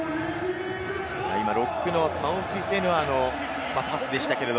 今、ロックのタオフィフェヌアのパスでした。